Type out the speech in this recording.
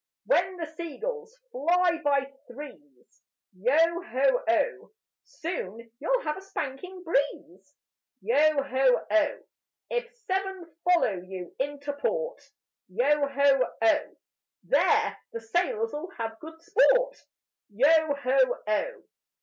When the sea gulls fly by threes, Yo ho oh! Soon you'll have a spanking breeze: Yo ho oh! If seven follow you into port, Yo ho oh! There the sailors'll have good sport: Yo ho oh!